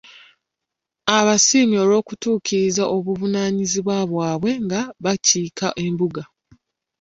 Abasiimye olw'okutuukiriza obuvunaanyizibwa bwabwe nga bakiika embuga.